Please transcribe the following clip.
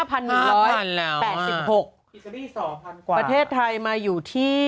ประเทศไทยมาอยู่ที่